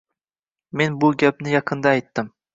Men bu gapni yaqinda aytdim.